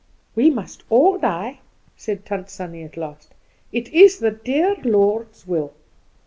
"We must all die," said Tant Sannie at last; "it is the dear Lord's will."